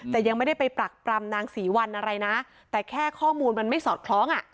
แต่ยังไม่ได้ไปปรักปรำนางศรีวัลอะไรนะแต่แค่ข้อมูลมันไม่สอดคล้องอ่ะ